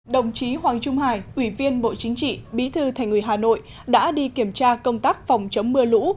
đồng chí hoàng trung hải ủy viên bộ chính trị bí thư thành ủy hà nội đã đi kiểm tra công tác phòng chống mưa lũ